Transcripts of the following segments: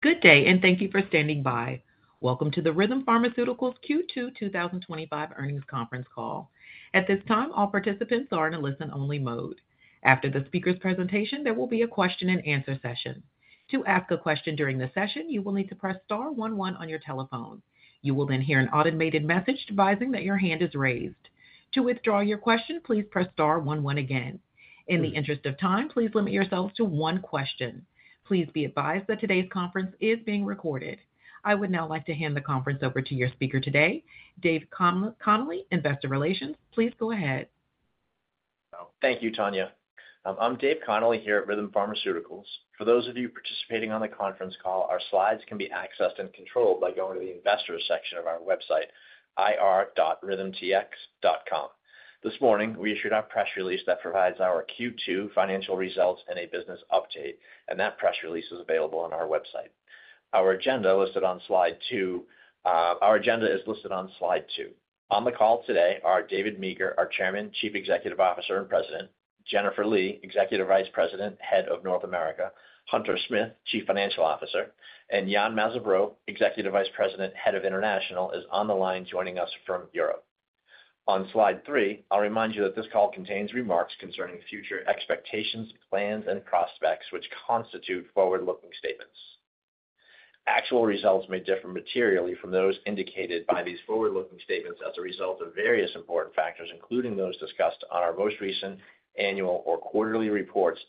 Good day, and thank you for standing by. Welcome to the Rhythm Pharmaceuticals Q2 2025 earnings conference call. At this time, all participants are in a listen-only mode. After the speaker's presentation, there will be a question-and-answer session. To ask a question during the session, you will need to press star one one on your telephone. You will then hear an automated message advising that your hand is raised. To withdraw your question, please press star one one again. In the interest of time, please limit yourself to one question. Please be advised that today's conference is being recorded. I would now like to hand the conference over to your speaker today, David Connolly, Investor Relations. Please go ahead. Thank you, Tanya. I'm David Connolly here at Rhythm Pharmaceuticals. For those of you participating on the conference call, our slides can be accessed and controlled by going to the Investors section of our website, ir.rhythmtx.com. This morning, we issued our press release that provides our Q2 financial results and a business update, and that press release is available on our website. Our agenda is listed on slide two. On the call today are David Meeker, our Chairman, President and Chief Executive Officer; Jennifer Lee, Executive Vice President, Head of North America; Hunter Smith, Chief Financial Officer; and Yann Mazabraud, Executive Vice President, Head of International, joining us from Europe. On slide three, I'll remind you that this call contains remarks concerning future expectations, plans, and prospects, which constitute forward-looking statements. Actual results may differ materially from those indicated by these forward-looking statements as a result of various important factors, including those discussed in our most recent annual or quarterly reports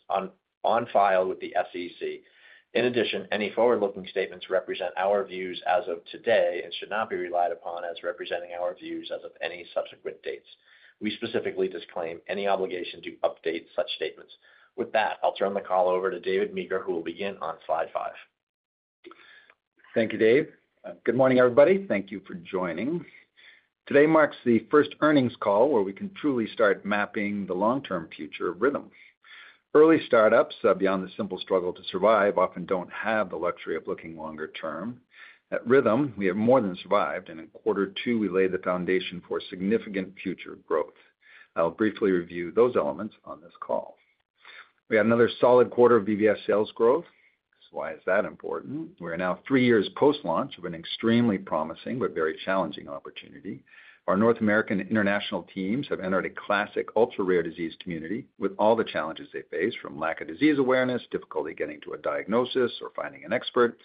on file with the SEC. In addition, any forward-looking statements represent our views as of today and should not be relied upon as representing our views as of any subsequent dates. We specifically disclaim any obligation to update such statements. With that, I'll turn the call over to David Meeker, who will begin on slide five. Thank you, Dave. Good morning, everybody. Thank you for joining. Today marks the first earnings call where we can truly start mapping the long-term future of Rhythm Pharmaceuticals. Early startups, beyond the simple struggle to survive, often don't have the luxury of looking longer term. At Rhythm Pharmaceuticals, we have more than survived, and in quarter two, we laid the foundation for significant future growth. I'll briefly review those elements on this call. We had another solid quarter of IMCIVREE sales growth. Why is that important? We're now three years post-launch of an extremely promising but very challenging opportunity. Our North America and international teams have entered a classic ultra-rare disease community with all the challenges they face, from lack of disease awareness, difficulty getting to a diagnosis or finding an expert,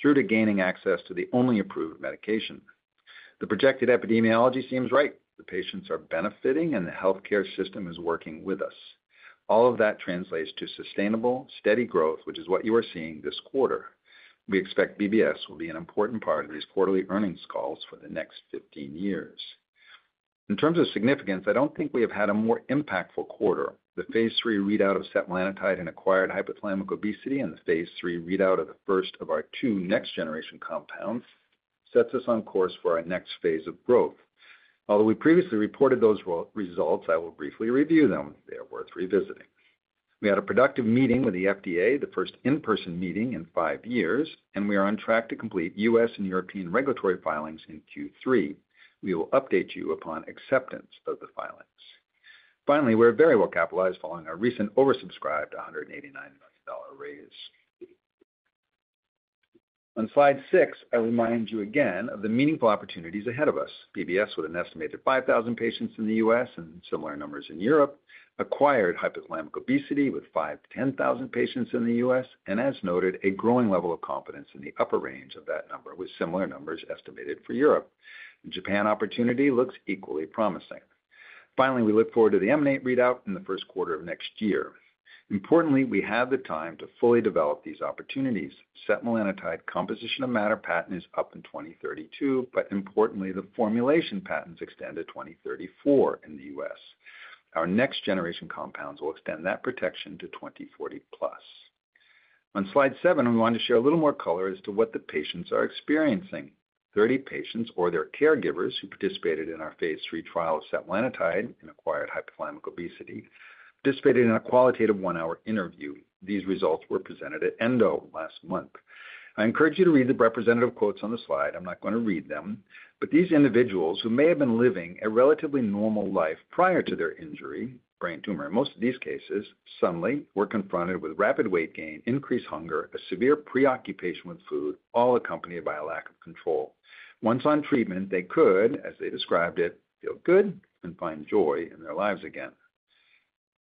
through to gaining access to the only approved medication. The projected epidemiology seems right. The patients are benefiting, and the healthcare system is working with us. All of that translates to sustainable, steady growth, which is what you are seeing this quarter. We expect IMCIVREE will be an important part of these quarterly earnings calls for the next 15 years. In terms of significance, I don't think we have had a more impactful quarter. The phase III readout of setmelanotide in acquired hypothalamic obesity, and the phase III readout of the first of our two next-generation compounds sets us on course for our next phase of growth. Although we previously reported those results, I will briefly review them. They are worth revisiting. We had a productive meeting with the FDA, the first in-person meeting in five years, and we are on track to complete U.S. and European regulatory filings in Q3. We will update you upon acceptance of the filings. Finally, we're very well capitalized following our recent oversubscribed $189 million raise. On slide six, I remind you again of the meaningful opportunities ahead of us. IMCIVREE, with an estimated 5,000 patients in the U.S. and similar numbers in Europe, acquired hypothalamic obesity with 5,000-10,000 patients in the U.S., and as noted, a growing level of confidence in the upper range of that number, with similar numbers estimated for Europe. The Japan opportunity looks equally promising. Finally, we look forward to the RM-718 readout in the first quarter of next year. Importantly, we have the time to fully develop these opportunities. Setmelanotide composition of matter patent is up in 2032, but importantly, the formulation patents extend to 2034 in the U.S. Our next-generation compounds will extend that protection to 2040+. On slide seven, I want to share a little more color as to what the patients are experiencing. 30 patients, or their caregivers, who participated in our phase III trial of setmelanotide in acquired hypothalamic obesity, participated in a qualitative one-hour interview. These results were presented at Endo last month. I encourage you to read the representative quotes on the slide. I'm not going to read them, but these individuals who may have been living a relatively normal life prior to their injury, brain tumor, in most of these cases, suddenly were confronted with rapid weight gain, increased hunger, a severe preoccupation with food, all accompanied by a lack of control. Once on treatment, they could, as they described it, feel good and find joy in their lives again.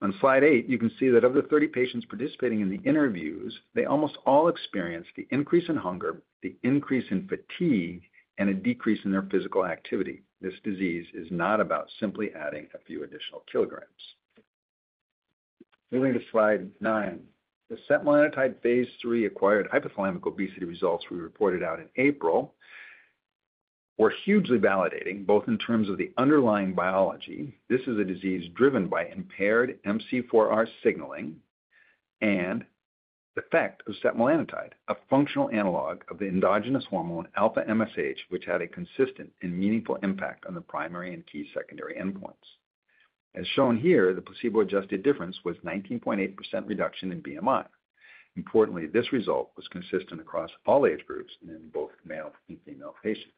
On slide eight, you can see that of the 30 patients participating in the interviews, they almost all experienced the increase in hunger, the increase in fatigue, and a decrease in their physical activity. This disease is not about simply adding a few additional kg. Moving to slide nine, the setmelanotide phase III acquired hypothalamic obesity results we reported out in April were hugely validating, both in terms of the underlying biology. This is a disease driven by impaired MC4R signaling and the effect of setmelanotide, a functional analog of the endogenous hormone alpha-MSH, which had a consistent and meaningful impact on the primary and key secondary endpoints. As shown here, the placebo-adjusted difference was a 19.8% reduction in BMI. Importantly, this result was consistent across all age groups and in both male and female patients.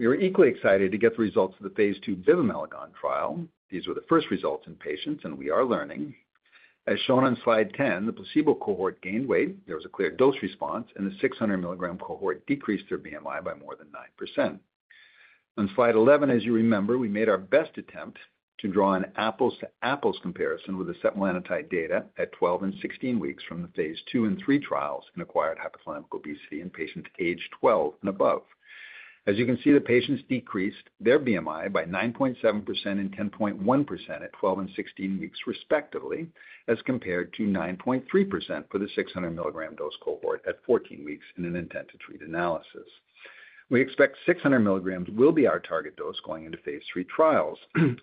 We were equally excited to get the results of the phase II bivamelagon trial. These were the first results in patients, and we are learning. As shown on slide 10, the placebo cohort gained weight. There was a clear dose response, and the 600 mg cohort decreased their BMI by more than 9%. On slide 11, as you remember, we made our best attempt to draw an apples-to-apples comparison with the setmelanotide data at 12 and 16 weeks from the phase II and 3 trials in acquired hypothalamic obesity in patients age 12 and above. As you can see, the patients decreased their BMI by 9.7% and 10.1% at 12 and 16 weeks, respectively, as compared to 9.3% for the 600 mg dose cohort at 14 weeks in an intent to treat analysis. We expect 600 mg will be our target dose going into phase III trials.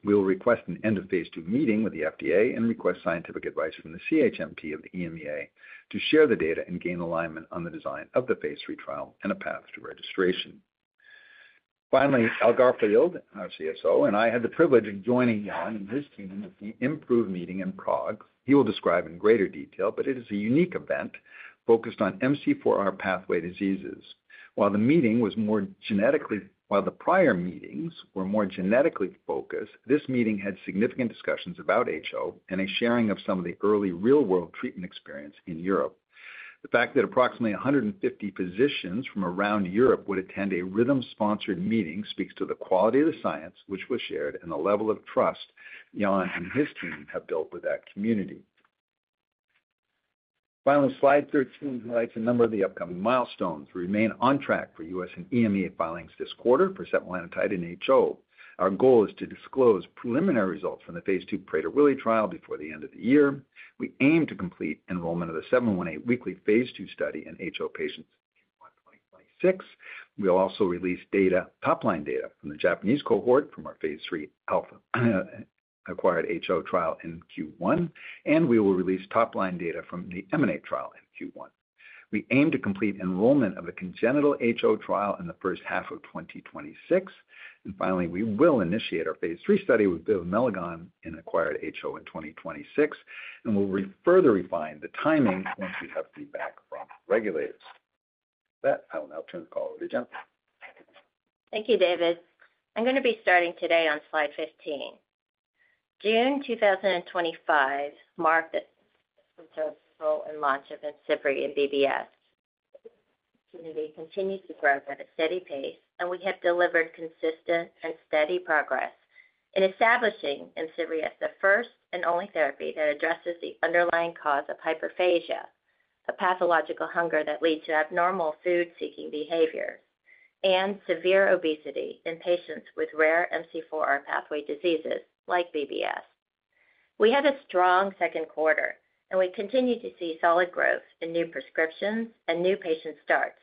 We will request an end of phase II meeting with the FDA and request scientific advice from the CHMP of the EMA to share the data and gain alignment on the design of the phase III trial and a path to registration. Finally, Algar Field, our CSO, and I had the privilege of joining Yann and his team at the IMPROVE meeting in Prague. He will describe in greater detail, but it is a unique event focused on MC4R pathway diseases. While the prior meetings were more genetically focused, this meeting had significant discussions about HO and a sharing of some of the early real-world treatment experience in Europe. The fact that approximately 150 physicians from around Europe would attend a Rhythm-sponsored meeting speaks to the quality of the science, which was shared, and the level of trust Yann and his team have built with that community. Finally, slide 13 highlights a number of the upcoming milestones. We remain on track for U.S. and EMA filings this quarter for setmelanotide and HO. Our goal is to disclose preliminary results from the phase II Prader-Willi trial before the end of the year. We aim to complete enrollment of the RM-718 weekly phase II study in HO patients in 2026. We'll also release top-line data from the Japanese cohort from our phase III acquired HO trial in Q1, and we will release top-line data from the MNATE trial in Q1. We aim to complete enrollment of the congenital HO trial in the first half of 2026. Finally, we will initiate our phase III study with bivamelagon in acquired HO in 2026, and we'll further refine the timing once we have feedback from regulators. I will now turn the call over to Jennifer. Thank you, David. I'm going to be starting today on slide 15. June 2025 marked the launch of IMCIVREE in BBS. The community continues to grow at a steady pace, and we have delivered consistent and steady progress in establishing IMCIVREE as the first and only therapy that addresses the underlying cause of hyperphagia, a pathological hunger that leads to abnormal food-seeking behavior and severe obesity in patients with rare MC4R pathway diseases like BBS. We had a strong second quarter, and we continue to see solid growth in new prescriptions and new patient starts,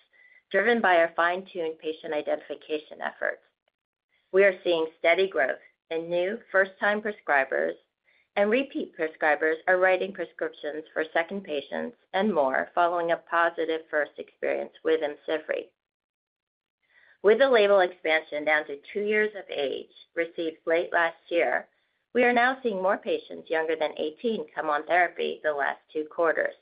driven by our fine-tuned patient identification efforts. We are seeing steady growth in new first-time prescribers, and repeat prescribers are writing prescriptions for second patients and more, following a positive first experience with IMCIVREE. With the label expansion down to two years of age received late last year, we are now seeing more patients younger than 18 come on therapy the last two quarters.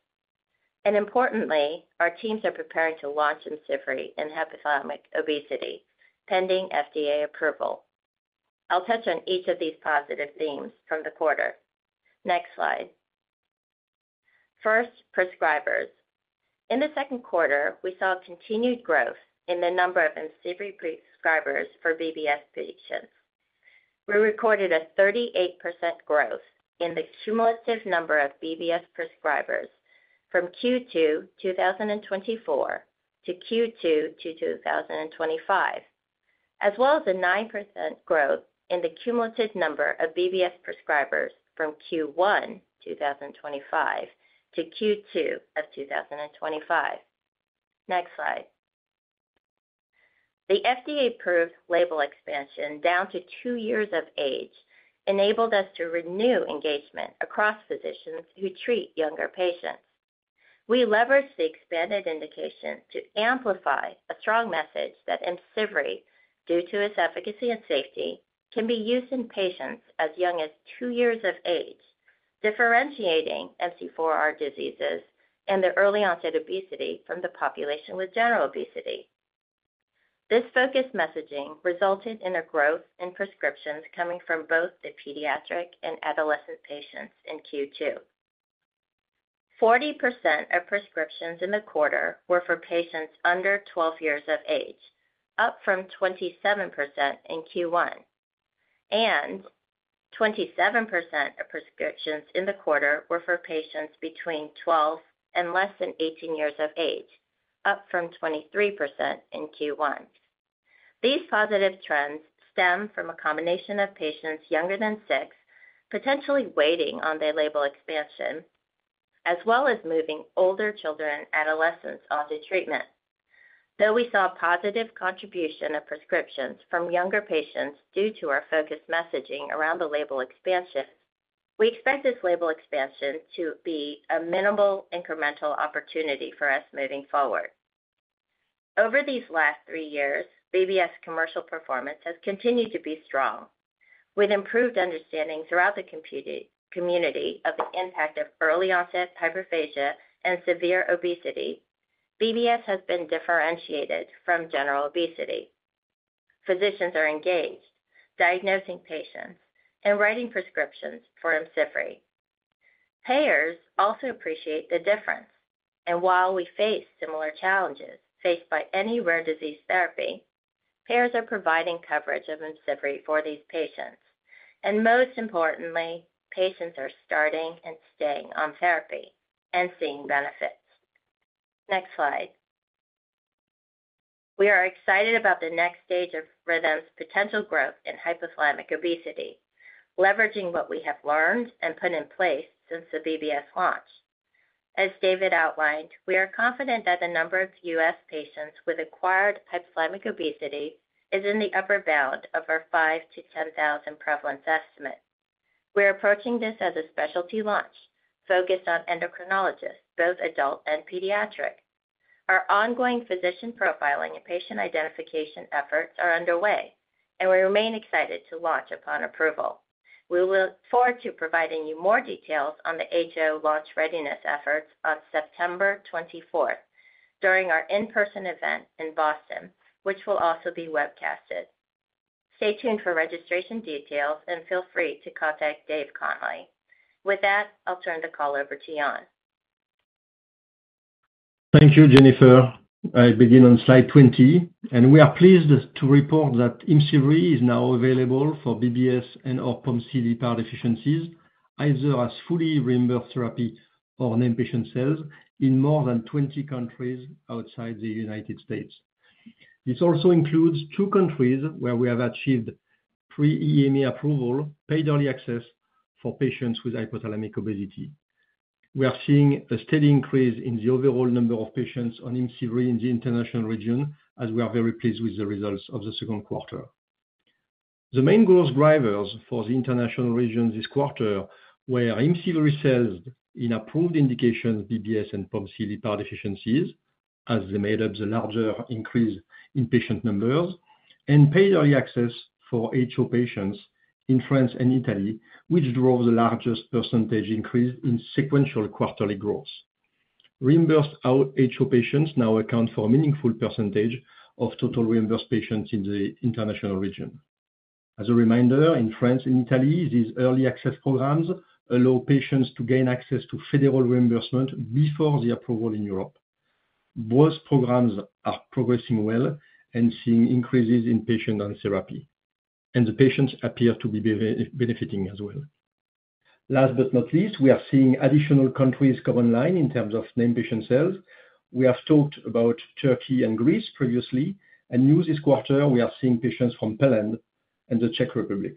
Importantly, our teams are preparing to launch IMCIVREE in hypothalamic obesity pending FDA approval. I'll touch on each of these positive themes from the quarter. Next slide. First, prescribers. In the second quarter, we saw continued growth in the number of IMCIVREE prescribers for BBS patients. We recorded a 38% growth in the cumulative number of BBS prescribers from Q2 2024 to Q2 2025, as well as a 9% growth in the cumulative number of BBS prescribers from Q1 2025 to Q2 of 2025. Next slide. The FDA-approved label expansion down to two years of age enabled us to renew engagement across physicians who treat younger patients. We leveraged the expanded indication to amplify a strong message that IMCIVREE, due to its efficacy and safety, can be used in patients as young as two years of age, differentiating MC4R diseases and the early-onset obesity from the population with general obesity. This focused messaging resulted in a growth in prescriptions coming from both the pediatric and adolescent patients in Q2. 40% of prescriptions in the quarter were for patients under 12 years of age, up from 27% in Q1. 27% of prescriptions in the quarter were for patients between 12 and less than 18 years of age, up from 23% in Q1. These positive trends stem from a combination of patients younger than six, potentially waiting on their label expansion, as well as moving older children and adolescents onto treatment. Though we saw a positive contribution of prescriptions from younger patients due to our focused messaging around the label expansion, we expect this label expansion to be a minimal incremental opportunity for us moving forward. Over these last three years, BBS commercial performance has continued to be strong, with improved understanding throughout the community of the impact of early-onset hyperphagia and severe obesity. BBS has been differentiated from general obesity. Physicians are engaged, diagnosing patients, and writing prescriptions for IMCIVREE. Payers also appreciate the difference. While we face similar challenges faced by any rare disease therapy, payers are providing coverage of IMCIVREE for these patients. Most importantly, patients are starting and staying on therapy and seeing benefits. Next slide. We are excited about the next stage of Rhythm's potential growth in hypothalamic obesity, leveraging what we have learned and put in place since the BBS launch. As David outlined, we are confident that the number of U.S. patients with acquired hypothalamic obesity is in the upper bound of our 5,000-10,000 prevalence estimate. We are approaching this as a specialty launch focused on endocrinologists, both adult and pediatric. Our ongoing physician profiling and patient identification efforts are underway, and we remain excited to launch upon approval. We will look forward to providing you more details on the HO launch readiness efforts on September 24th during our in-person event in Boston, which will also be webcasted. Stay tuned for registration details, and feel free to contact David Connolly. With that, I'll turn the call over to Yann. Thank you, Jennifer. I begin on slide 20, and we are pleased to report that IMCIVREE is now available for BBS and/or POMC/LEPR deficiencies, either as fully reimbursed therapy or in-patient sales in more than 20 countries outside the United States. This also includes two countries where we have achieved pre-EMA approval, paid early access for patients with hypothalamic obesity. We are seeing a steady increase in the overall number of patients on IMCIVREE in the international region, as we are very pleased with the results of the second quarter. The main growth drivers for the international region this quarter were IMCIVREE sales in approved indications, BBS and POMC/LEPR deficiencies, as they made up the larger increase in patient numbers, and paid early access for HO patients in France and Italy, which drove the largest percentage increase in sequential quarterly growth. Reimbursed HO patients now account for a meaningful percentage of total reimbursed patients in the international region. As a reminder, in France and Italy, these early access programs allow patients to gain access to federal reimbursement before the approval in Europe. Both programs are progressing well and seeing increases in patient and therapy, and the patients appear to be benefiting as well. Last but not least, we are seeing additional countries come online in terms of in-patient sales. We have talked about Turkey and Greece previously, and new this quarter, we are seeing patients from Poland and the Czech Republic.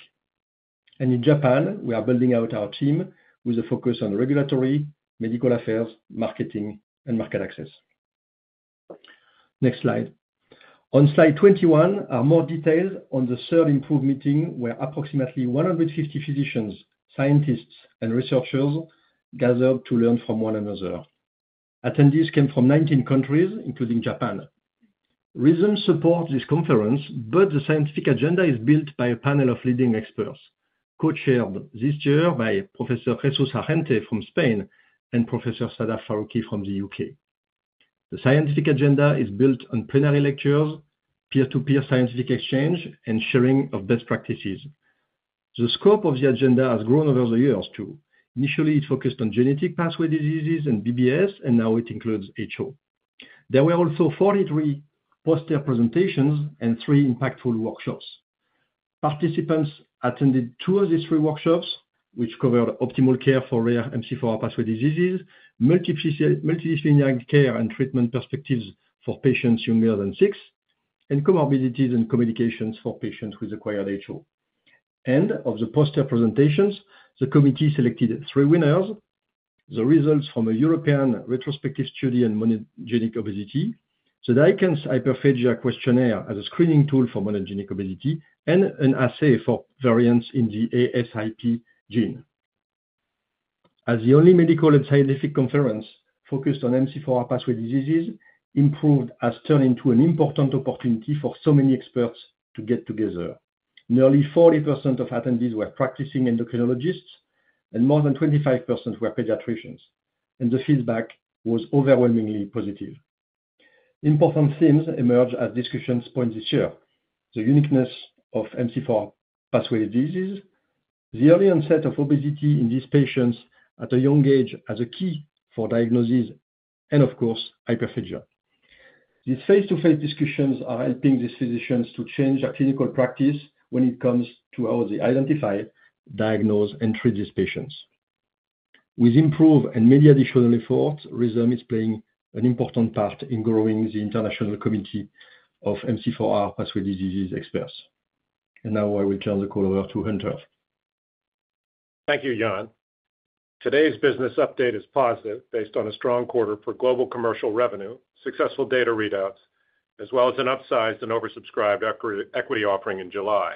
In Japan, we are building out our team with a focus on regulatory, medical affairs, marketing, and market access. Next slide. On slide 21, are more details on the third IMPROVE meeting where approximately 150 physicians, scientists, and researchers gathered to learn from one another. Attendees came from 19 countries, including Japan. Rhythm supports this conference, but the scientific agenda is built by a panel of leading experts, co-chaired this year by Professor Jesús Argente from Spain and Professor Sadaf Farooqui from the U.K.. The scientific agenda is built on plenary lectures, peer-to-peer scientific exchange, and sharing of best practices. The scope of the agenda has grown over the years, too. Initially, it focused on genetic pathway diseases and BBS, and now it includes HO. There were also 43 poster presentations and three impactful workshops. Participants attended two of these three workshops, which covered optimal care for rare MC4R pathway diseases, multidisciplinary care and treatment perspectives for patients younger than six, and comorbidities and communications for patients with acquired HO. Of the poster presentations, the committee selected three winners: the results from a European retrospective study on monogenic obesity, the DICANS hyperphagia questionnaire as a screening tool for monogenic obesity, and an assay for variants in the ASIP gene. As the only medical and scientific conference focused on MC4R pathway diseases, IMPROVE has turned into an important opportunity for so many experts to get together. Nearly 40% of attendees were practicing endocrinologists, and more than 25% were pediatricians, and the feedback was overwhelmingly positive. Important themes emerged as discussion points this year: the uniqueness of MC4R pathway disease, the early onset of obesity in these patients at a young age as a key for diagnosis, and of course, hyperphagia. These face-to-face discussions are helping these physicians to change their clinical practice when it comes to how they identify, diagnose, and treat these patients. With IMPROVE and many additional efforts, Rhythm Pharmaceuticals is playing an important part in growing the international committee of MC4R pathway disease experts. I will now turn the call over to Hunter. Thank you, Yann. Today's business update is positive based on a strong quarter for global commercial revenue, successful data readouts, as well as an upsized and oversubscribed equity offering in July.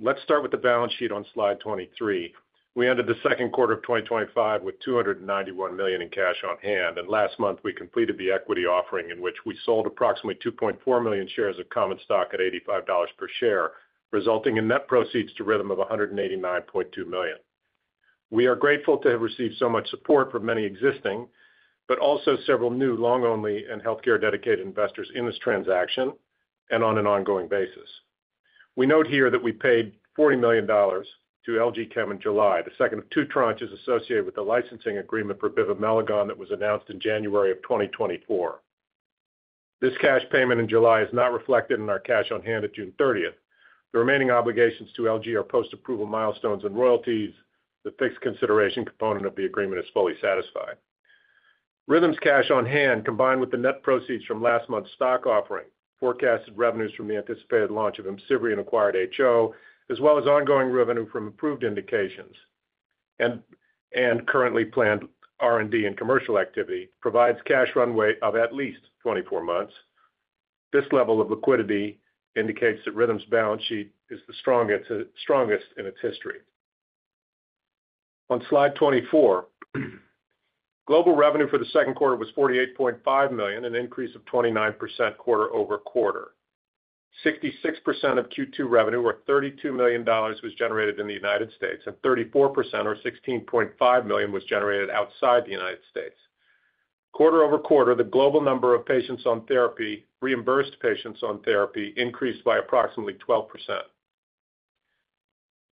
Let's start with the balance sheet on slide 23. We ended the second quarter of 2025 with $291 million in cash on hand, and last month we completed the equity offering in which we sold approximately 2.4 million shares of common stock at $85 per share, resulting in net proceeds to Rhythm of $189.2 million. We are grateful to have received so much support from many existing, but also several new, long-only and healthcare-dedicated investors in this transaction and on an ongoing basis. We note here that we paid $40 million to LG Chem in July, the second of two tranches associated with the licensing agreement for bivamelagon that was announced in January of 2024. This cash payment in July is not reflected in our cash on hand at June 30th. The remaining obligations to LG are post-approval milestones and royalties. The fixed consideration component of the agreement is fully satisfied. Rhythm's cash on hand, combined with the net proceeds from last month's stock offering, forecasted revenues from the anticipated launch of IMCIVREE in acquired HO, as well as ongoing revenue from approved indications and currently planned R&D and commercial activity, provides cash runway of at least 24 months. This level of liquidity indicates that Rhythm's balance sheet is the strongest in its history. On slide 24, global revenue for the second quarter was $48.5 million, an increase of 29% quarter-over-quarter. 66% of Q2 revenue, or $32 million, was generated in the U.S., and 34%, or $16.5 million, was generated outside the U.S. quarter-over-quarter, the global number of patients on therapy, reimbursed patients on therapy, increased by approximately 12%.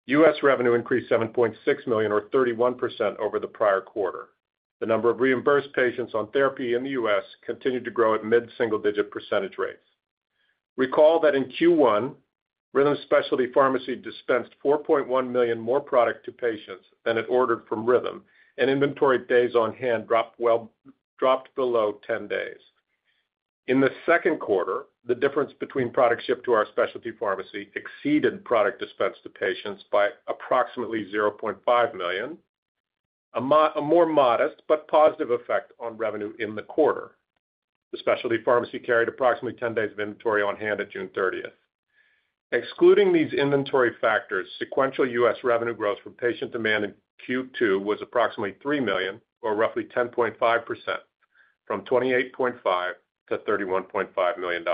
U.S. revenue increased $7.6 million, or 31% over the prior quarter. The number of reimbursed patients on therapy in the U.S. continued to grow at mid-single-digit percentage rates. Recall that in Q1, Rhythm's specialty pharmacy dispensed $4.1 million more product to patients than it ordered from Rhythm, and inventory days on hand dropped below 10 days. In the second quarter, the difference between product shipped to our specialty pharmacy exceeded product dispensed to patients by approximately $0.5 million, a more modest but positive effect on revenue in the quarter. The specialty pharmacy carried approximately 10 days of inventory on hand at June 30th. Excluding these inventory factors, sequential U.S. revenue growth for patient demand in Q2 was approximately $3 million, or roughly 10.5%, from $28.5 million to $31.5 million.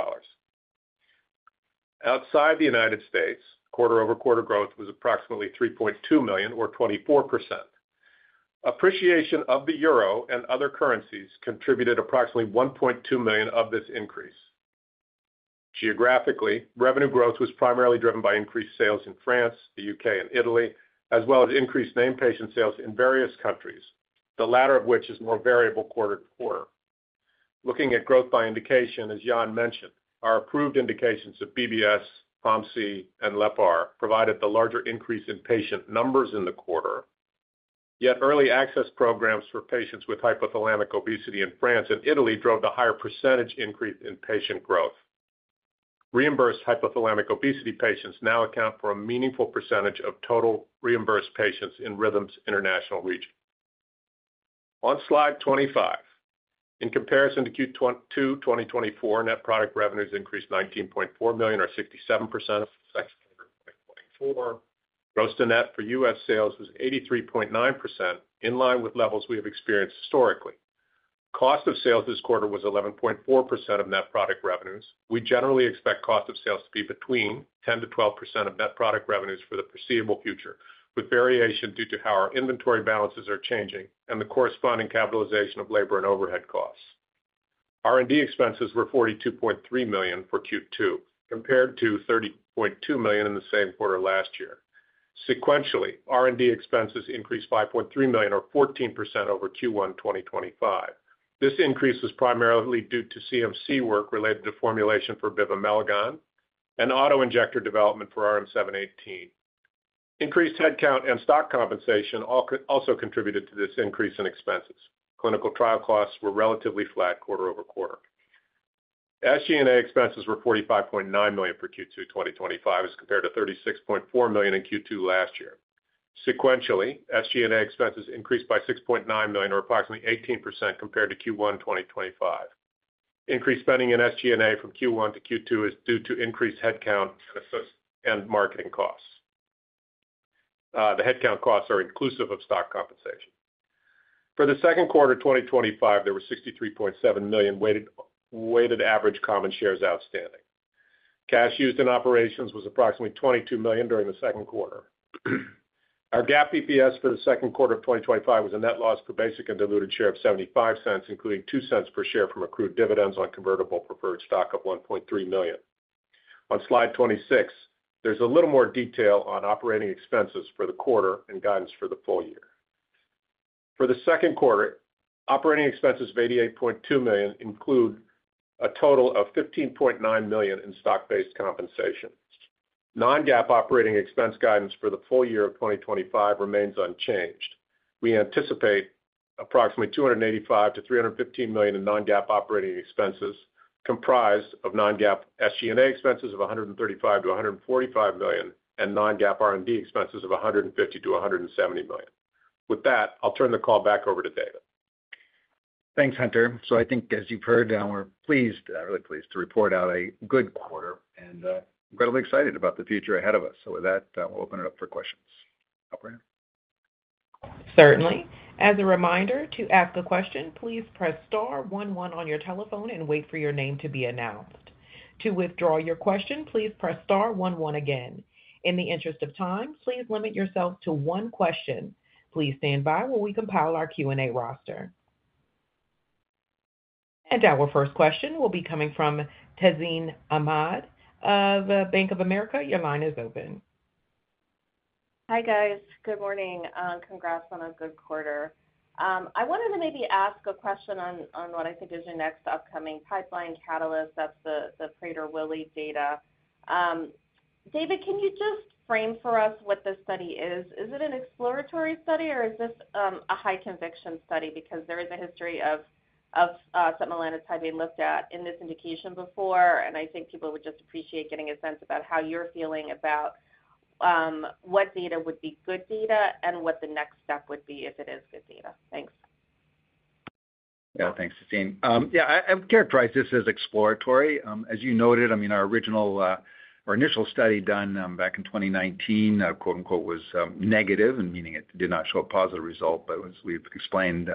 Outside the United States, quarter-over-quarter growth was approximately $3.2 million, or 24%. Appreciation of the euro and other currencies contributed approximately $1.2 million of this increase. Geographically, revenue growth was primarily driven by increased sales in France, the U.K., and Italy, as well as increased in-patient sales in various countries, the latter of which is more variable quarter to quarter. Looking at growth by indication, as Yann mentioned, our approved indications of BBS, POMC, and LEPR provided the larger increase in patient numbers in the quarter. Yet early access programs for patients with hypothalamic obesity in France and Italy drove the higher percentage increase in patient growth. Reimbursed hypothalamic obesity patients now account for a meaningful percentage of total reimbursed patients in Rhythm Pharmaceuticals' international region. On slide 25, in comparison to Q2 2024, net product revenues increased $19.4 million, or 67% for 2024. Gross to net for U.S. sales was 83.9%, in line with levels we have experienced historically. Cost of sales this quarter was 11.4% of net product revenues. We generally expect cost of sales to be between 10%-12% of net product revenues for the foreseeable future, with variation due to how our inventory balances are changing and the corresponding capitalization of labor and overhead costs. R&D expenses were $42.3 million for Q2, compared to $30.2 million in the same quarter last year. Sequentially, R&D expenses increased $5.3 million, or 14% over Q1 2025. This increase was primarily due to CMC work related to the formulation for bivamelagon and autoinjector development for RM-718. Increased headcount and stock compensation also contributed to this increase in expenses. Clinical trial costs were relatively flat quarter-over-quarter. SG&A expenses were $45.9 million for Q2 2025, as compared to $36.4 million in Q2 last year. Sequentially, SG&A expenses increased by $6.9 million, or approximately 18% compared to Q1 2025. Increased spending in SG&A from Q1 to Q2 is due to increased headcount and marketing costs. The headcount costs are inclusive of stock compensation. For the second quarter 2025, there were $63.7 million weighted average common shares outstanding. Cash used in operations was approximately $22 million during the second quarter. Our GAAP EPS for the second quarter of 2025 was a net loss per basic and diluted share of $0.75, including $0.02 per share from accrued dividends on convertible preferred stock of $1.3 million. On slide 26, there's a little more detail on operating expenses for the quarter and guidance for the full year. For the second quarter, operating expenses of $88.2 million include a total of $15.9 million in stock-based compensation. Non-GAAP operating expense guidance for the full year of 2025 remains unchanged. We anticipate approximately $285 million-$315 million in non-GAAP operating expenses, comprised of non-GAAP SG&A expenses of $135 million-$145 million and non-GAAP R&D expenses of $150 million-$170 million. With that, I'll turn the call back over to David. Thanks, Hunter. I think, as you've heard, we're pleased, really pleased to report out a good quarter and incredibly excited about the future ahead of us. With that, we'll open it up for questions. Certainly. As a reminder, to ask a question, please press star one one on your telephone and wait for your name to be announced. To withdraw your question, please press star one one again. In the interest of time, please limit yourself to one question. Please stand by while we compile our Q&A roster. Our first question will be coming from Tazeen Ahmad of Bank of America. Your line is open. Hi, guys. Good morning. Congrats on a good quarter. I wanted to maybe ask a question on what I think is your next upcoming pipeline catalyst. That's the Prader-Willi data. David, can you just frame for us what this study is? Is it an exploratory study, or is this a high-conviction study? Because there is a history of setmelanotide being looked at in this indication before, and I think people would just appreciate getting a sense about how you're feeling about what data would be good data and what the next step would be if it is good data. Thanks. Yeah, thanks, Tazeen. I would characterize this as exploratory. As you noted, our initial study done back in 2019, quote-unquote, was negative, meaning it did not show a positive result. As we've explained,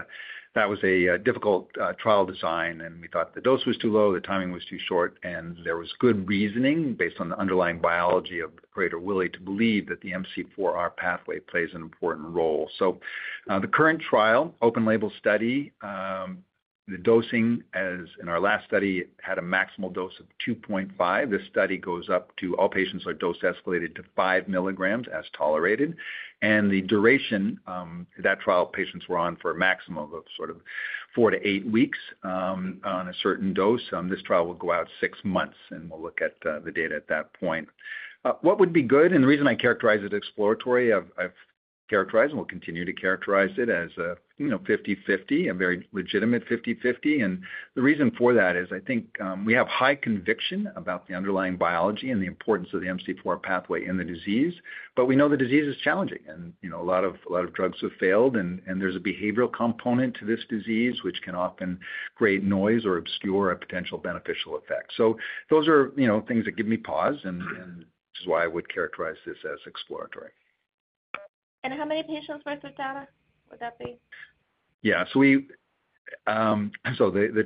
that was a difficult trial design, and we thought the dose was too low, the timing was too short, and there was good reasoning based on the underlying biology of Prader-Willi to believe that the MC4R pathway plays an important role. The current trial, open-label study, the dosing, as in our last study, had a maximal dose of 2.5. This study goes up to all patients are dose-escalated to 5 mg as tolerated. The duration, that trial patients were on for a maximum of sort of four to eight weeks on a certain dose. This trial will go out six months, and we'll look at the data at that point. What would be good, and the reason I characterize it as exploratory, I've characterized and will continue to characterize it as a 50/50, a very legitimate 50/50. The reason for that is I think we have high conviction about the underlying biology and the importance of the MC4R pathway in the disease, but we know the disease is challenging, and a lot of drugs have failed, and there's a behavioral component to this disease which can often create noise or obscure a potential beneficial effect. Those are things that give me pause, and this is why I would characterize this as exploratory. How many patients with the data would that be? Yeah, the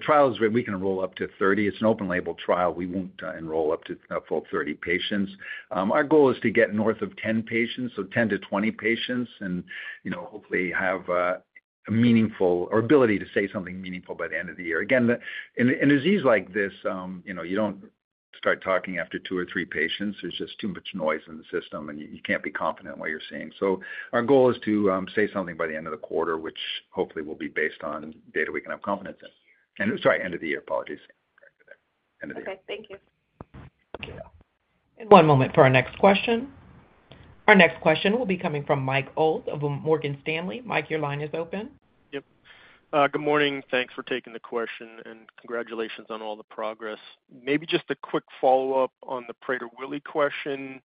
trial is we can enroll up to 30. It's an open-label trial. We won't enroll up to a full 30 patients. Our goal is to get north of 10 patients, so 10-20 patients, and hopefully have a meaningful or ability to say something meaningful by the end of the year. In a disease like this, you don't start talking after two or three patients. There's just too much noise in the system, and you can't be confident in what you're seeing. Our goal is to say something by the end of the quarter, which hopefully will be based on data we can have confidence in. It was, sorry, end of the year. Apologies. Okay, thank you. Yeah. One moment for our next question. Our next question will be coming from Mike Ott of Morgan Stanley. Mike, your line is open. Good morning. Thanks for taking the question, and congratulations on all the progress. Maybe just a quick follow-up on the Prader-Willi question.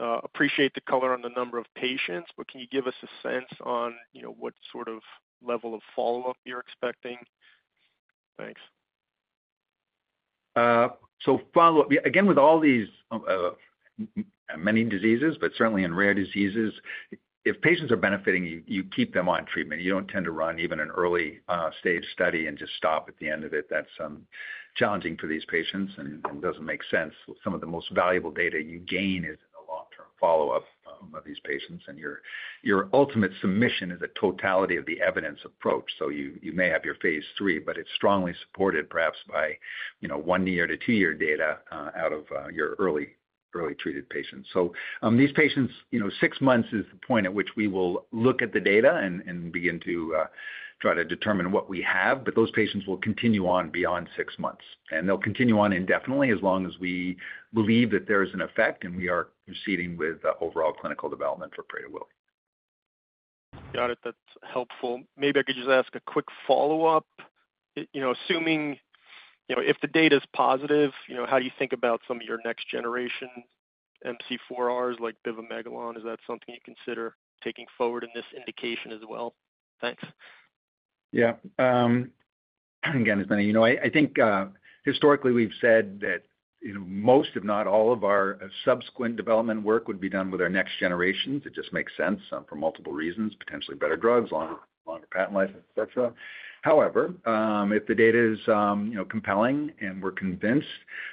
Appreciate the color on the number of patients, but can you give us a sense on what sort of level of follow-up you're expecting? Thanks. In all these many diseases, but certainly in rare diseases, if patients are benefiting, you keep them on treatment. You don't tend to run even an early-stage study and just stop at the end of it. That's challenging for these patients and doesn't make sense. Some of the most valuable data you gain is follow-up of these patients, and your ultimate submission is a totality of the evidence approach. You may have your phase III, but it's strongly supported perhaps by one-year to two-year data out of your early-treated patients. These patients, six months is the point at which we will look at the data and begin to try to determine what we have, but those patients will continue on beyond six months, and they'll continue on indefinitely as long as we believe that there is an effect and we are proceeding with overall clinical development for Prader-Willi. Got it. That's helpful. Maybe I could just ask a quick follow-up. You know, assuming if the data is positive, you know, how do you think about some of your next-generation MC4Rs like bivamelagon? Is that something you consider taking forward in this indication as well? Thanks. Yeah. Again, as many of you know, I think historically we've said that most, if not all, of our subsequent development work would be done with our next generation. It just makes sense for multiple reasons, potentially better drugs, longer patent life, etc. However, if the data is compelling and we're convinced,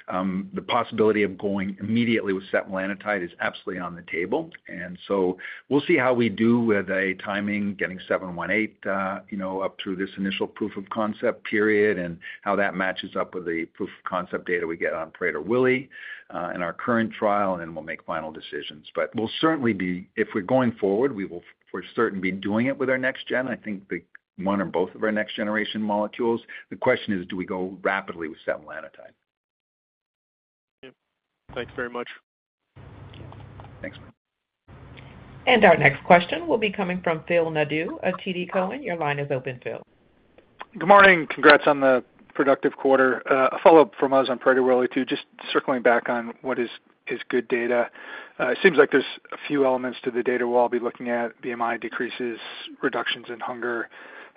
the possibility of going immediately with RM-718 is absolutely on the table. We'll see how we do with timing getting RM-718 up through this initial proof of concept period and how that matches up with the proof of concept data we get on Prader-Willi in our current trial, and then we'll make final decisions. We'll certainly be, if we're going forward, we will for certain be doing it with our next gen, I think one or both of our next-generation molecules. The question is, do we go rapidly with RM-718? Yep, thanks very much. Our next question will be coming from Phil Nadeau of TD Cowen. Your line is open, Phil. Good morning. Congrats on the productive quarter. A follow-up from us on Prader-Willi too, just circling back on what is good data. It seems like there's a few elements to the data we'll all be looking at: BMI decreases, reductions in hunger,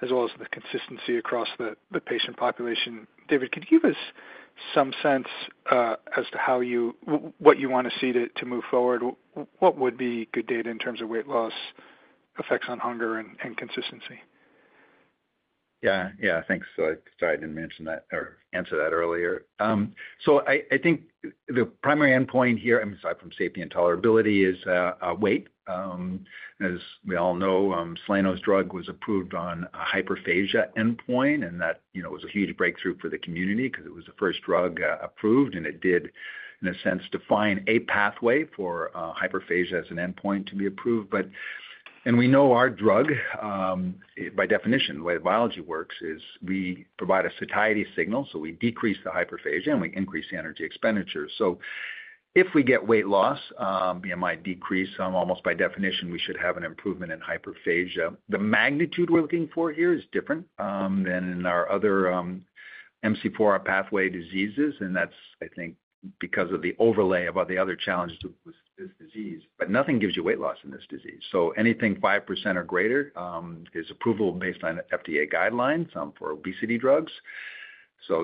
as well as the consistency across the patient population. David, could you give us some sense as to what you want to see to move forward? What would be good data in terms of weight loss effects on hunger and consistency? Yeah, yeah, thanks. Sorry, I didn't mention that or answer that earlier. I think the primary endpoint here, aside from safety and tolerability, is weight. As we all know, Soleno's drug was approved on a hyperphagia endpoint, and that was a huge breakthrough for the community because it was the first drug approved, and it did, in a sense, define a pathway for hyperphagia as an endpoint to be approved. We know our drug, by definition, the way the biology works is we provide a satiety signal, so we decrease the hyperphagia and we increase the energy expenditure. If we get weight loss, BMI decrease, almost by definition, we should have an improvement in hyperphagia. The magnitude we're looking for here is different than in our other MC4R pathway diseases, and that's, I think, because of the overlay of all the other challenges with this disease. Nothing gives you weight loss in this disease. Anything 5% or greater is approval based on FDA guidelines for obesity drugs.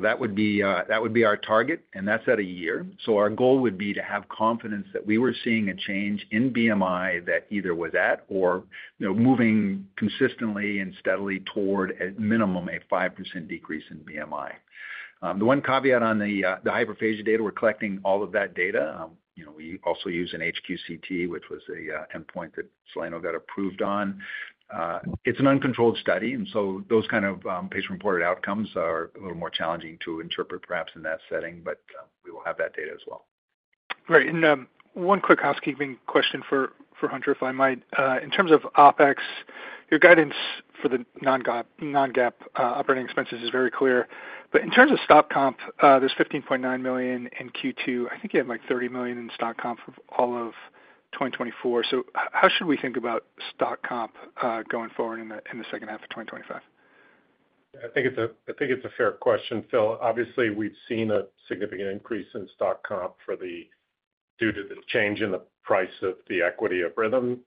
That would be our target, and that's at a year. Our goal would be to have confidence that we were seeing a change in BMI that either was at or moving consistently and steadily toward, at minimum, a 5% decrease in BMI. The one caveat on the hyperphagia data, we're collecting all of that data. We also use an HQCT, which was the endpoint that Soleno got approved on. It's an uncontrolled study, and those kind of patient-reported outcomes are a little more challenging to interpret, perhaps, in that setting, but we will have that data as well. Great. One quick housekeeping question for Hunter, if I might. In terms of OpEx, your guidance for the non-GAAP operating expenses is very clear. In terms of stock comp, there's $15.9 million in Q2. I think you have like $30 million in stock comp for all of 2024. How should we think about stock comp going forward in the second half of 2025? I think it's a fair question, Phil. Obviously, we've seen a significant increase in stock comp due to the change in the price of the equity of Rhythm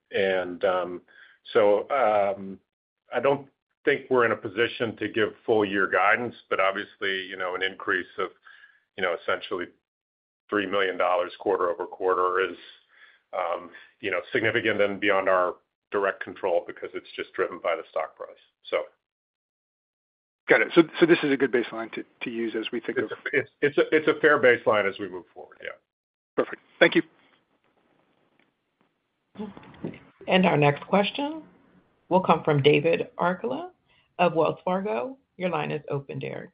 Pharmaceuticals. I don't think we're in a position to give full-year guidance, but obviously, an increase of essentially $3 million quarter-over-quarter is significant and beyond our direct control because it's just driven by the stock price. Got it. This is a good baseline to use as we think of. It's a fair baseline as we move forward, yeah. Perfect. Thank you. Our next question will come from Derek Archila of Wells Fargo. Your line is open, Derek.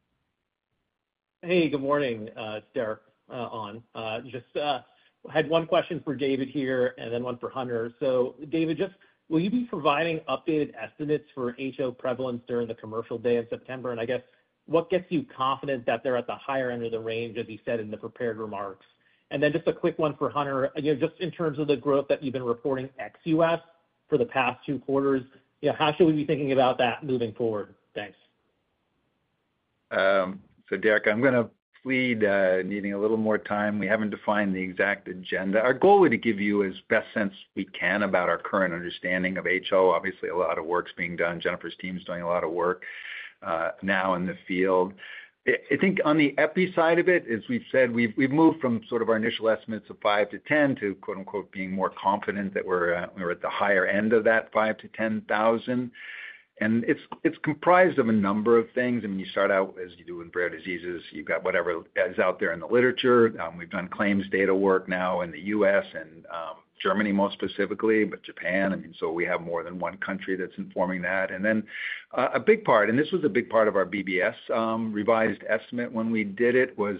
Hey, good morning. It's Derek on. Just had one question for David here and then one for Hunter. David, will you be providing updated estimates for HO prevalence during the commercial day in September? What gets you confident that they're at the higher end of the range, as you said in the prepared remarks? Just a quick one for Hunter, in terms of the growth that you've been reporting ex-U.S. for the past two quarters, how should we be thinking about that moving forward? Thanks. Derek, I'm going to plead needing a little more time. We haven't defined the exact agenda. Our goal is to give you as best sense we can about our current understanding of HO. Obviously, a lot of work's being done. Jennifer's team's doing a lot of work now in the field. I think on the epi side of it, as we've said, we've moved from sort of our initial estimates of 5,000-10,000 to quote-unquote being more confident that we're at the higher end of that 5,000-10,000. It's comprised of a number of things. I mean, you start out as you do with rare diseases. You've got whatever is out there in the literature. We've done claims data work now in the U.S. and Germany most specifically, but Japan. I mean, we have more than one country that's informing that. A big part, and this was a big part of our BBS revised estimate when we did it, was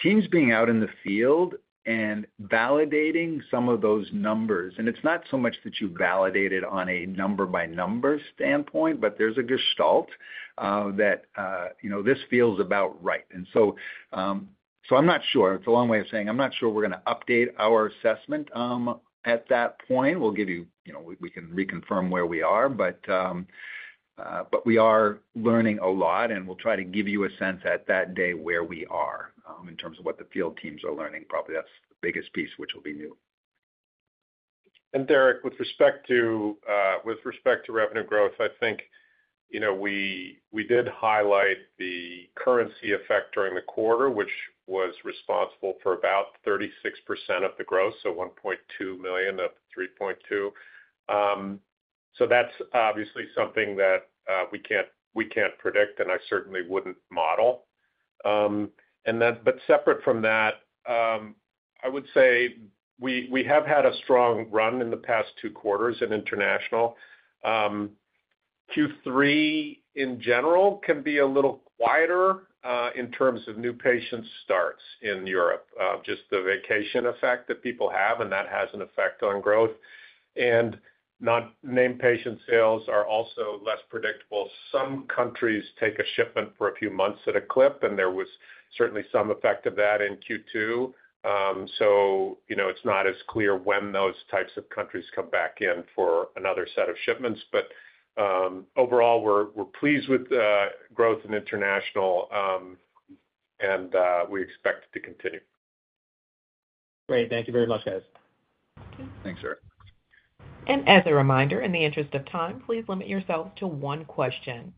teams being out in the field and validating some of those numbers. It's not so much that you validate it on a number-by-number standpoint, but there's a gestalt that you know this feels about right. I'm not sure. It's a long way of saying I'm not sure we're going to update our assessment at that point. We'll give you, you know we can reconfirm where we are, but we are learning a lot, and we'll try to give you a sense at that day where we are in terms of what the field teams are learning. Probably that's the biggest piece which will be new. Derek, with respect to revenue growth, I think you know we did highlight the currency effect during the quarter, which was responsible for about 36% of the growth, so $1.2 million of $3.2 million. That's obviously something that we can't predict, and I certainly wouldn't model. Separate from that, I would say we have had a strong run in the past two quarters in international. Q3, in general, can be a little quieter in terms of new patient starts in Europe, just the vacation effect that people have, and that has an effect on growth. Non-name patient sales are also less predictable. Some countries take a shipment for a few months at a clip, and there was certainly some effect of that in Q2. It's not as clear when those types of countries come back in for another set of shipments. Overall, we're pleased with the growth in international, and we expect it to continue. Great. Thank you very much, guys. Okay. Thanks, Eric. As a reminder, in the interest of time, please limit yourselves to one question.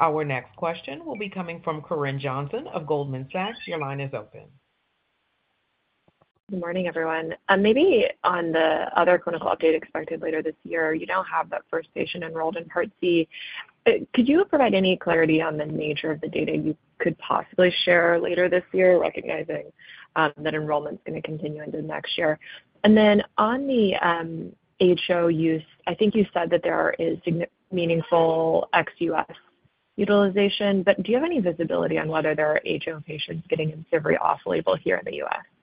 Our next question will be coming from Corinne Johnson of Goldman Sachs. Your line is open. Good morning, everyone. Maybe on the other clinical update expected later this year, you don't have that first patient enrolled in Part C. Could you provide any clarity on the nature of the data you could possibly share later this year, recognizing that enrollment is going to continue into next year? On the HO use, I think you said that there is meaningful ex-U.S. utilization, but do you have any visibility on whether there are HO patients getting IMCIVREE off-label here in the U.S.? Thanks. Yeah.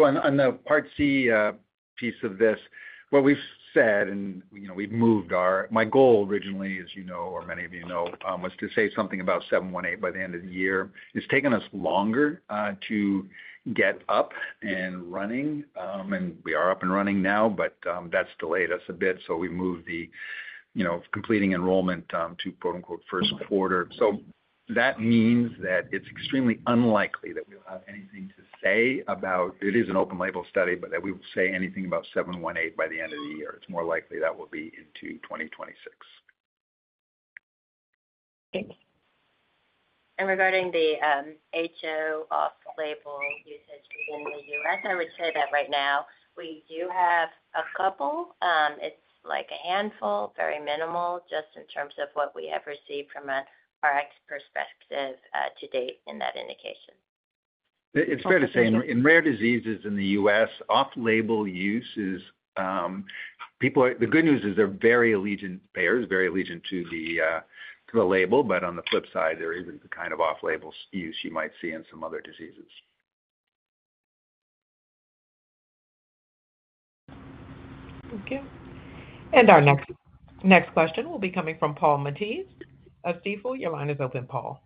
On the Part C piece of this, what we've said, and you know we've moved our, my goal originally, as you know, or many of you know, was to say something about RM-718 by the end of the year. It's taken us longer to get up and running, and we are up and running now, but that's delayed us a bit. We've moved the completing enrollment to "first quarter." That means that it's extremely unlikely that we'll have anything to say about, it is an open-label study, but that we would say anything about RM-718 by the end of the year. It's more likely that we'll be into 2026. Regarding the HO off-label usage within the U.S., I would say that right now we do have a couple. It's like a handful, very minimal, just in terms of what we have received from our ex-perspective to date in that indication. It's fair to say in rare diseases in the U.S., off-label use is, the good news is they're very allegiance payers, very allegiance to the label. On the flip side, there isn't the kind of off-label use you might see in some other diseases. Thank you. Our next question will be coming from Paul Matteis of Stifel. Your line is open, Paul.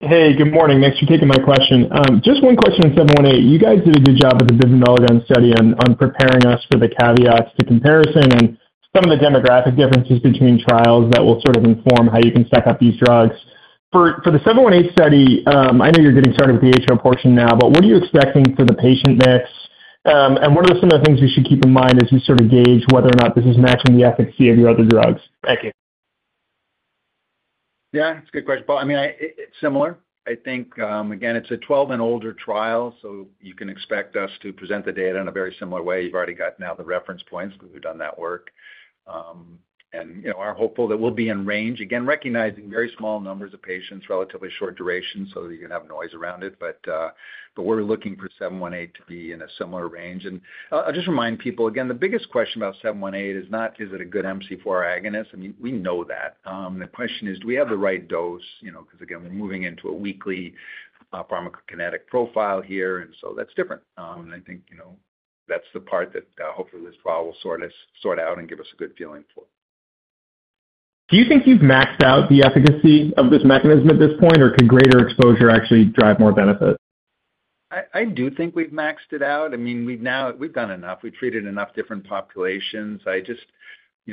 Hey, good morning. Thanks for taking my question. Just one question on RM-718. You guys did a good job with the bivamelagon study on preparing us for the caveats to comparison and some of the demographic differences between trials that will sort of inform how you can stack up these drugs. For the RM-718 study, I know you're getting started with the HO portion now, but what are you expecting for the patient mix? What are some of the things you should keep in mind as you sort of gauge whether or not this is matching the efficacy of your other drugs? Thank you. Yeah, it's a good question, Paul. I mean, it's similar. I think, again, it's a 12 and older trial, so you can expect us to present the data in a very similar way. You've already got now the reference points because we've done that work. You know, are hopeful that we'll be in range, again, recognizing very small numbers of patients, relatively short duration, so that you can have noise around it. We're looking for 718 to be in a similar range. I'll just remind people, again, the biggest question about 718 is not, is it a good MC4R agonist? I mean, we know that. The question is, do we have the right dose? You know, because again, we're moving into a weekly pharmacokinetic profile here, and so that's different. I think, you know, that's the part that hopefully this trial will sort out and give us a good feeling for. Do you think you've maxed out the efficacy of this mechanism at this point, or could greater exposure actually drive more benefit? I do think we've maxed it out. I mean, we've now done enough. We've treated enough different populations.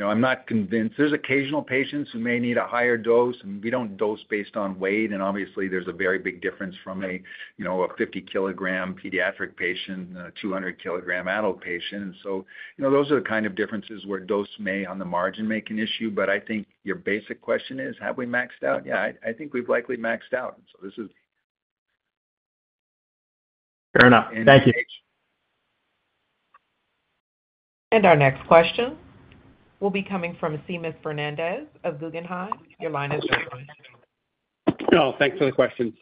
I'm not convinced. There's occasional patients who may need a higher dose, and we don't dose based on weight. Obviously, there's a very big difference from a 50 kg pediatric patient and a 200 kg adult patient. Those are the kind of differences where dose may, on the margin, make an issue. I think your basic question is, have we maxed out? Yeah, I think we've likely maxed out. This is. Fair enough. Thank you. Our next question will be coming from Seamus Fernandez of Guggenheim. Your line is open. Oh, thanks for the question.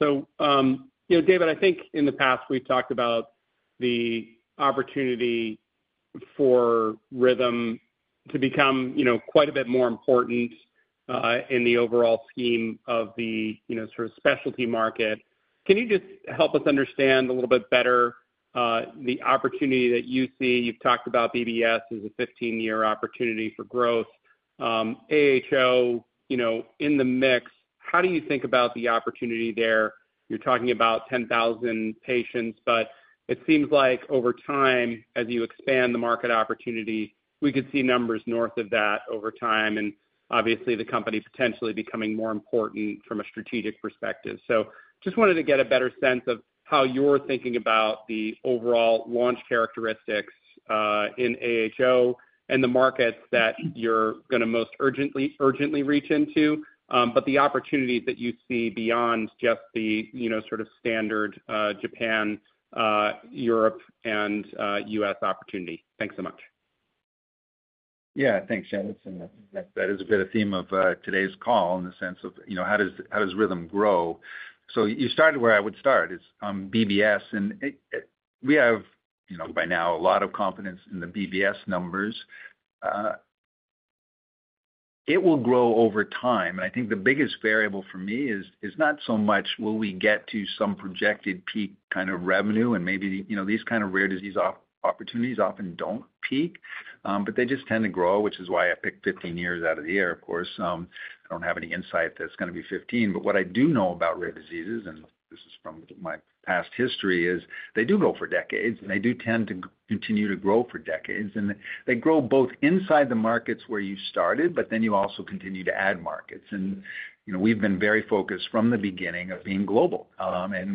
David, I think in the past, we've talked about the opportunity for Rhythm Pharmaceuticals to become quite a bit more important in the overall scheme of the specialty market. Can you just help us understand a little bit better the opportunity that you see? You've talked about Bardet-Biedl syndrome (BBS) as a 15-year opportunity for growth. Acquired hypothalamic obesity (AHO), in the mix, how do you think about the opportunity there? You're talking about 10,000 patients, but it seems like over time, as you expand the market opportunity, we could see numbers north of that over time, and obviously, the company potentially becoming more important from a strategic perspective. I just wanted to get a better sense of how you're thinking about the overall launch characteristics in acquired hypothalamic obesity (AHO) and the markets that you're going to most urgently reach into, but the opportunities that you see beyond just the standard Japan, Europe, and U.S. opportunity. Thanks so much. Yeah, thanks, Yann. That is a bit of the theme of today's call in the sense of, you know, how does Rhythm grow? You started where I would start is on BBS. We have, you know, by now a lot of confidence in the BBS numbers. It will grow over time. I think the biggest variable for me is not so much will we get to some projected peak kind of revenue, and maybe, you know, these kind of rare disease opportunities often don't peak, but they just tend to grow, which is why I picked 15 years out of the year. Of course, I don't have any insight that it's going to be 15. What I do know about rare diseases, and this is from my past history, is they do go for decades, and they do tend to continue to grow for decades. They grow both inside the markets where you started, but then you also continue to add markets. We have been very focused from the beginning of being global.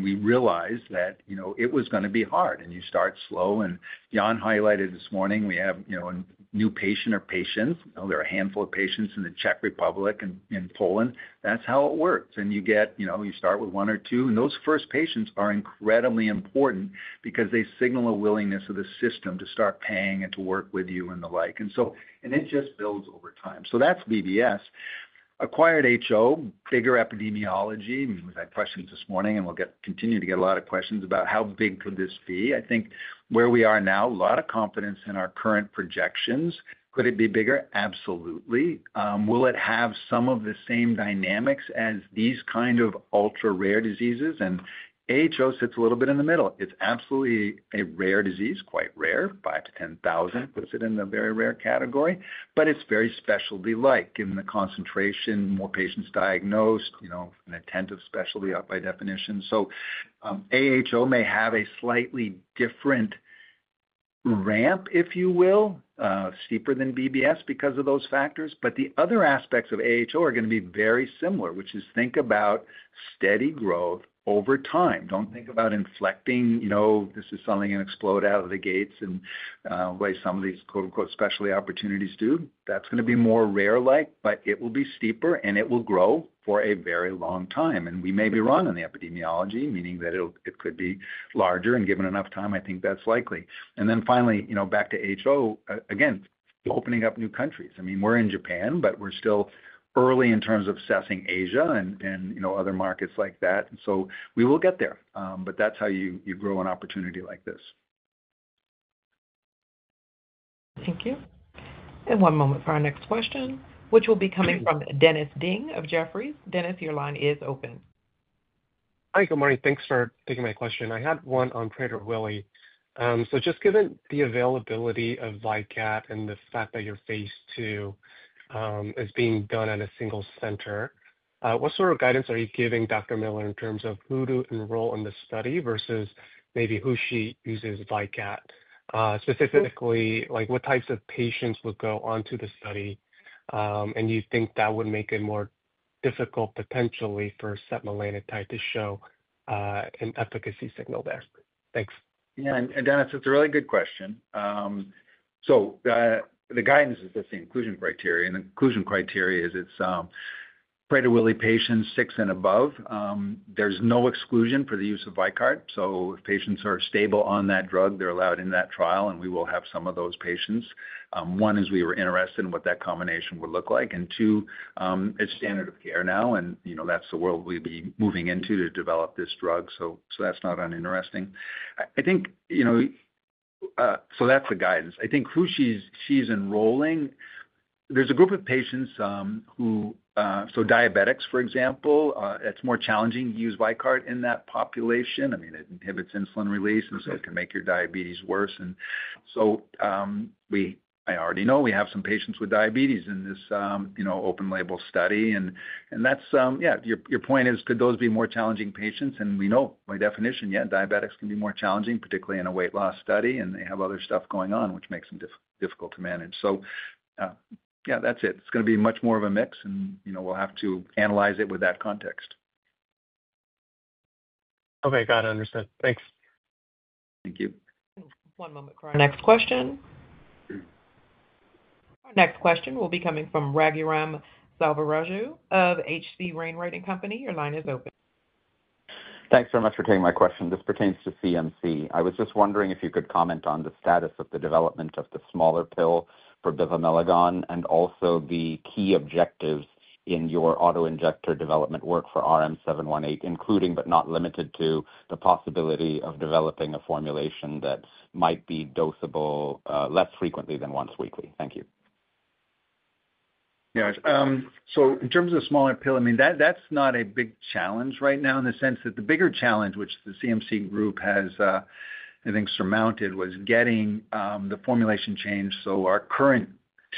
We realized that it was going to be hard, and you start slow. Yann highlighted this morning, we have a new patient or patients. There are a handful of patients in the Czech Republic and in Poland. That's how it works. You start with one or two, and those first patients are incredibly important because they signal a willingness of the system to start paying and to work with you and the like. It just builds over time. That's BBS. Acquired HO, bigger epidemiology. We've had questions this morning, and we'll continue to get a lot of questions about how big could this be. I think where we are now, a lot of confidence in our current projections. Could it be bigger? Absolutely. Will it have some of the same dynamics as these kind of ultra-rare diseases? AHO sits a little bit in the middle. It's absolutely a rare disease, quite rare, 5,000-10,000 puts it in the very rare category, but it's very specialty-like in the concentration, more patients diagnosed, you know, an attentive specialty by definition. AHO may have a slightly different ramp, if you will, steeper than BBS because of those factors. The other aspects of AHO are going to be very similar, which is think about steady growth over time. Don't think about inflecting, you know, this is something going to explode out of the gates in the way some of these quote-unquote specialty opportunities do. That is going to be more rare-like, but it will be steeper, and it will grow for a very long time. We may be wrong on the epidemiology, meaning that it could be larger, and given enough time, I think that's likely. Finally, back to HO, again, opening up new countries. We're in Japan, but we're still early in terms of assessing Asia and other markets like that. We will get there. That's how you grow an opportunity like this. Thank you. One moment for our next question, which will be coming from Dennis Ding of Jefferies. Dennis, your line is open. Hi, good morning. Thanks for taking my question. I had one on Prader-Willi. Just given the availability of Victoza and the fact that your phase II is being done at a single center, what sort of guidance are you giving Dr. Miller in terms of who to enroll in the study versus maybe who she uses Victoza? Specifically, like what types of patients would go onto the study? Do you think that would make it more difficult potentially for Saponanotide to show an efficacy signal there? Thanks. Yeah, and Dennis, it's a really good question. The guidance is just the inclusion criteria. The inclusion criteria is it's Prader-Willi patients, six and above. There's no exclusion for the use of Victoza. If patients are stable on that drug, they're allowed in that trial, and we will have some of those patients. One is we were interested in what that combination would look like. Two, it's standard of care now, and you know that's the world we'd be moving into to develop this drug. That's not uninteresting. I think, you know, that's the guidance. I think who she's enrolling, there's a group of patients who, so diabetics, for example, it's more challenging to use Victoza in that population. It inhibits insulin release, and it can make your diabetes worse. I already know we have some patients with diabetes in this, you know, open-label study. Your point is, could those be more challenging patients? We know, by definition, yeah, diabetics can be more challenging, particularly in a weight loss study, and they have other stuff going on, which makes them difficult to manage. That's it. It's going to be much more of a mix, and you know, we'll have to analyze it with that context. Okay, got it. Understood. Thanks. Thank you. Our next question will be coming from Raghuram Selvaraju of H.C. Wainwright & Company. Your line is open. Thanks very much for taking my question. This pertains to CMC. I was just wondering if you could comment on the status of the development of the smaller pill for bivamelagon and also the key objectives in your autoinjector development work for RM-718, including but not limited to the possibility of developing a formulation that might be dosable less frequently than once weekly. Thank you. Yeah. In terms of the smaller pill, that's not a big challenge right now in the sense that the bigger challenge, which the CMC group has, I think, surmounted, was getting the formulation changed. Our current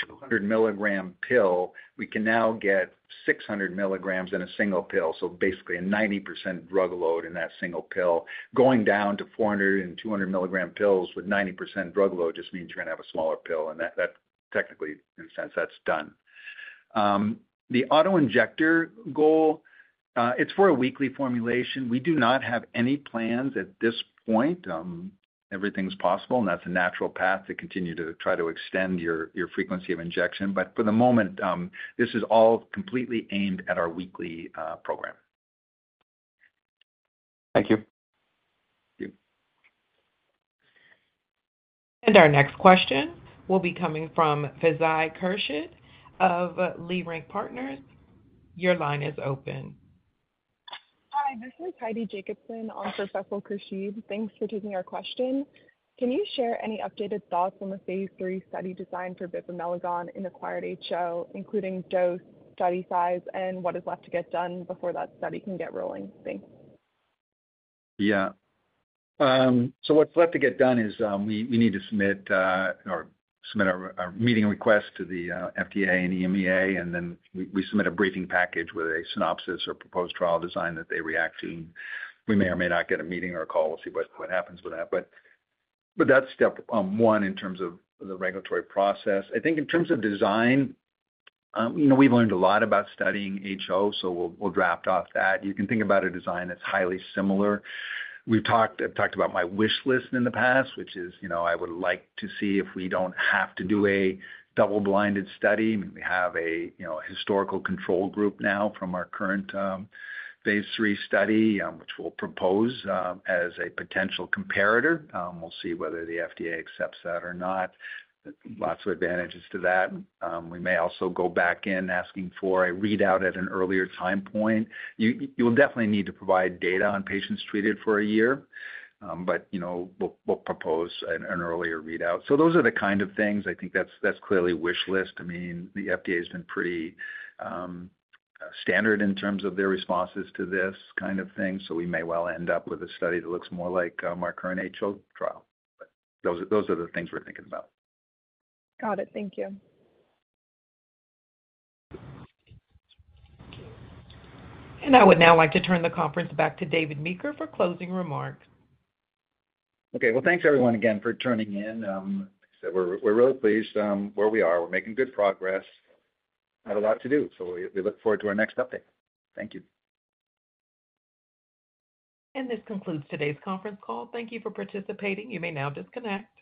200 mg pill, we can now get 600 mg in a single pill. Basically, a 90% drug load in that single pill. Going down to 400 and 200 mg pills with 90% drug load just means you're going to have a smaller pill, and technically, in a sense, that's done. The autoinjector goal, it's for a weekly formulation. We do not have any plans at this point. Everything's possible, and that's a natural path to continue to try to extend your frequency of injection. For the moment, this is all completely aimed at our weekly program. Thank you. Our next question will be coming from Fazeel Khurshid of Leerink Partners. Your line is open. Hi, this is Heidi Jacobson on for Fazeel Khurshid. Thanks for taking our question. Can you share any updated thoughts on the phase III study design for bivamelagon in acquired HO, including dose, study size, and what is left to get done before that study can get rolling? Thanks. Yeah. What's left to get done is we need to submit our meeting request to the FDA and EMA, and then we submit a briefing package with a synopsis or proposed trial design that they react to. We may or may not get a meeting or a call. We'll see what happens with that. That's step one in terms of the regulatory process. I think in terms of design, we've learned a lot about studying HO, so we'll draft off that. You can think about a design that's highly similar. I've talked about my wish list in the past, which is, I would like to see if we don't have to do a double-blinded study. I mean, we have a historical control group now from our current phase III study, which we'll propose as a potential comparator. We'll see whether the FDA accepts that or not. Lots of advantages to that. We may also go back in asking for a readout at an earlier time point. You'll definitely need to provide data on patients treated for a year, but we'll propose an earlier readout. Those are the kind of things. I think that's clearly wish list. The FDA has been pretty standard in terms of their responses to this kind of thing. We may well end up with a study that looks more like our current HO trial. Those are the things we're thinking about. Got it. Thank you. I would now like to turn the conference back to David Meeker for closing remarks. Thank you, everyone, again, for turning in. Like I said, we're really pleased where we are. We're making good progress. We have a lot to do, so we look forward to our next update. Thank you. This concludes today's conference call. Thank you for participating. You may now disconnect.